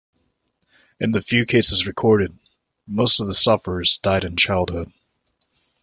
In the few cases recorded, most of the sufferers died in childhood.